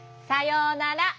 さようなら。